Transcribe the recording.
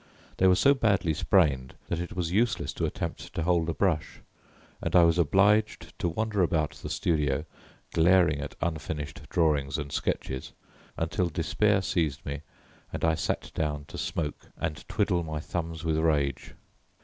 They were so badly sprained that it was useless to attempt to hold a brush, and I was obliged to wander about the studio, glaring at unfinished drawings and sketches, until despair seized me and I sat down to smoke and twiddle my thumbs with rage.